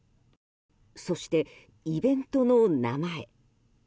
そして、イベントの名前。